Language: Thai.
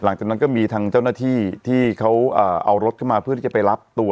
หลังจากนั้นก็มีทางเจ้าหน้าที่ที่เขาเอารถขึ้นมาเพื่อที่จะไปรับตัว